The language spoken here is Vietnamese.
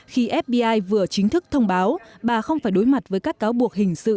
khi fdi vừa chính thức thông báo bà không phải đối mặt với các cáo buộc hình sự